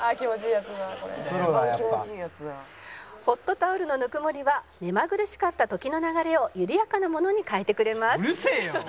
「ホットタオルのぬくもりは目まぐるしかった時の流れを緩やかなものに変えてくれます」